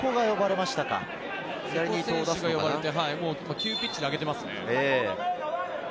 急ピッチで上げていますね。